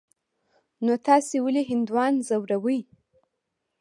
نو تاسې ولي هندوان ځوروئ.